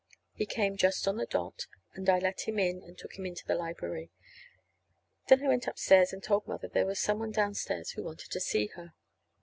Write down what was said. He came just on the dot, and I let him in and took him into the library. Then I went upstairs and told Mother there was some one downstairs who wanted to see her.